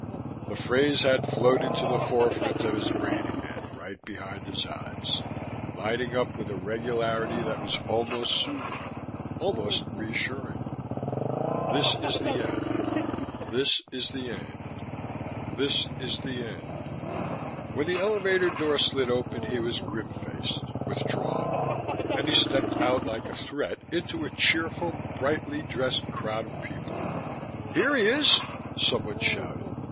The phrase had floated to the forefront of his brain again, right behind his eyes, lighting up with a regularity that was almost soothing, almost reassuring. This is the end. This is the end. This is the end. When the elevator door slid open he was grim faced, withdrawn, and he stepped out like a threat into a cheerful, brightly dressed crowd of people. "Here he is!" someone shouted.